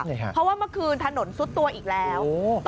เพราะว่าทนนนทานนทรกษ์ตัวอีกแล้ว